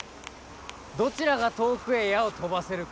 どちらが遠くへ矢を飛ばせるか。